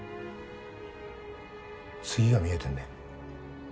次が見えてんだよ